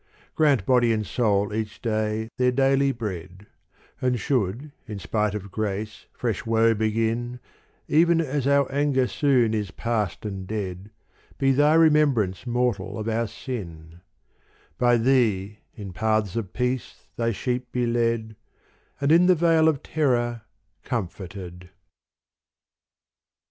Grant body and soul each day their daily bread And should in spite of grace fresh woe begin, Even as our anger soon is past and dead Be Thy remembrance mortal of our sin : By Thee in paths of peace Thy sheep be led, And in the vale of terror comforted.